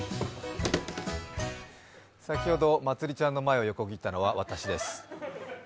先ほどまつりちゃんの前を横切ったのは私です。